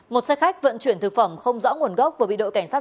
một xe khách vận chuyển thực phẩm không rõ nguồn gốc vừa bị đội cảnh sát